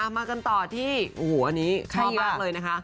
มากันต่อที่อันนี้ชอบมากเลยนะคะ